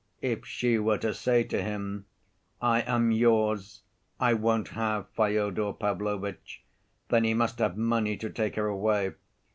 If she were to say to him, 'I am yours, I won't have Fyodor Pavlovitch,' then he must have money to take her away.